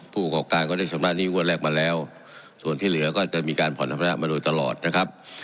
ผู้ประกอบการก็ได้ชำระหนี้งวดแรกมาแล้วส่วนที่เหลือก็จะมีการผ่อนธรรมระมาโดยตลอดนะครับ